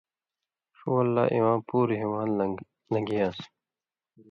ݜُو ول لا اِواں پُوروۡ ہیواند لن٘گھیان٘س۔